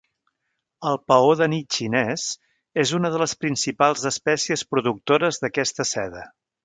El paó de nit xinés és una de les principals espècies productores d'aquesta seda.